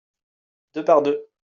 deux par deux.